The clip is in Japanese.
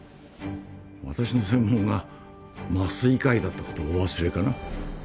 私の専門が麻酔科医だったことをお忘れかな？